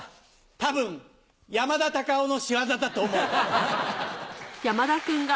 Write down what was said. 多分山田隆夫の仕業だと思う。